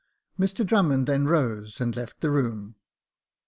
Mr Drummond then rose, and left the room.